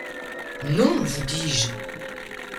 Non ! vous dis-je !